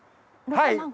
はい！